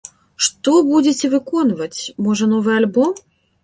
Што будзеце выконваць, можа, новы альбом?